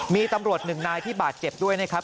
มีตำรวจหนึ่งนายที่บาดเจ็บด้วยนะครับ